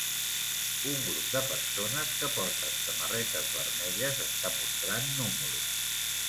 Un grup de persones que porten samarretes vermelles està mostrant números.